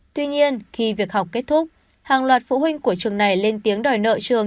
tuy nhiên khi việc học kết thúc hàng loạt phụ huynh của trường này lên tiếng đòi nợ trường